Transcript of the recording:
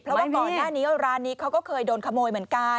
เพราะว่าก่อนหน้านี้ร้านนี้เขาก็เคยโดนขโมยเหมือนกัน